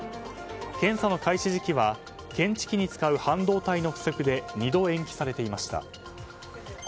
検査の開始時期は、検知器に使う半導体の不足で２度延期されていました。